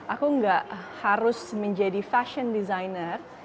aku gak harus menjadi fashion designer